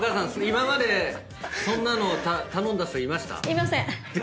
今までそんなの頼んだ人いました？